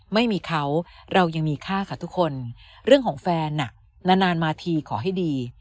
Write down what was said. ไม่มีเขาเรายังมีค่าค่ะทุกคนเรื่องของแฟนนานมาทีขอให้ดี